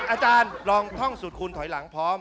อาจารย์ลองท่องสูตรคูณถอยหลังพร้อม